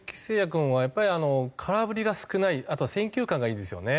君はやっぱり空振りが少ないあとは選球眼がいいですよね。